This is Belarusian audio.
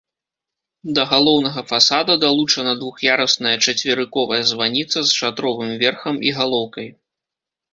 Да галоўнага фасада далучана двух'ярусная чацверыковая званіца з шатровым верхам і галоўкай.